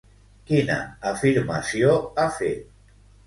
Quina afirmació ha fet?